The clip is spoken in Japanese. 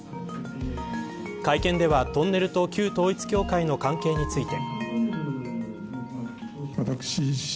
会見ではトンネルと旧統一教会の関係について。